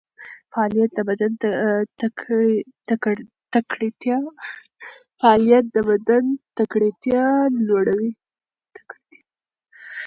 فعالیت د بدن تکړتیا لوړوي.